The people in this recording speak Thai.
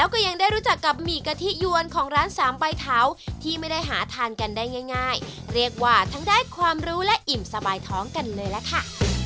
ของร้านสามใบเท้าที่ไม่ได้หาทานกันได้ง่ายเรียกว่าทั้งได้ความรู้และอิ่มสบายท้องกันเลยล่ะค่ะ